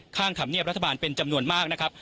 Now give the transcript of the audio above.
ข้างธรรมเนียบรัฐบาลเป็นจำนวนมากนะครับ